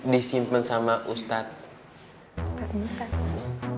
disimpen sama ustadz